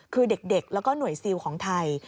คือเด็กแล้วก็หน่วยซิลของไทย